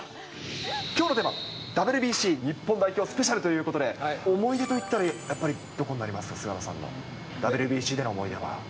きょうのテーマ、ＷＢＣ日本代表スペシャルということで、思い出といったら、やっぱりどこになりますか、菅野さんのＷＢＣでの思い出は。